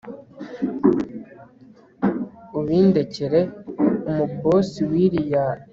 ubindekere umuboss wiriya